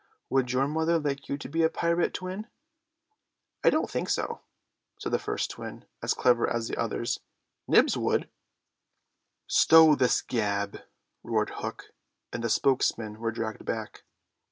"Would your mother like you to be a pirate, Twin?" "I don't think so," said the first twin, as clever as the others. "Nibs, would—" "Stow this gab," roared Hook, and the spokesmen were dragged back.